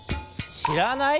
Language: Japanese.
しらない？